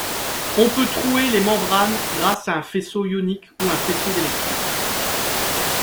On peut trouer les membranes grâce à un faisceau ionique ou un faisceau d'électrons.